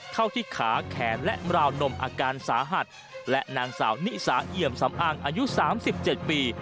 เข้าที่ขาแขนและราวนมอาการสาหัสและนางสาวนิสาเอี่ยมสำอางอายุ๓๗ปี